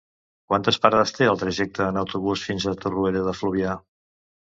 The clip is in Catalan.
Quantes parades té el trajecte en autobús fins a Torroella de Fluvià?